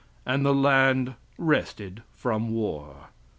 And the land rested from war."